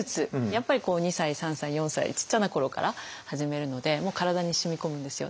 やっぱり２歳３歳４歳ちっちゃな頃から始めるのでもう体にしみこむんですよ。